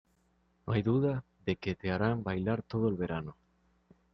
No hay duda de que te hará bailar todo el verano.